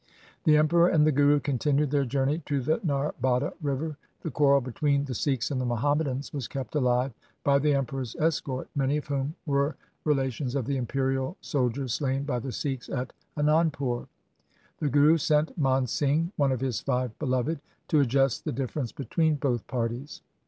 The Emperor and the Guru continued their journey to the Narbada river. The quarrel between the Sikhs and the Muhammadans was kept alive by the Emperor's escort, many of whom were relations of the imperial soldiers slain by the Sikhs at Anand pur. The Guru sent Man Singh, one of his Five Beloved, to adjust the difference between both parties.